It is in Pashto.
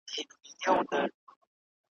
ټولو وویل دا تشي افسانې دي ,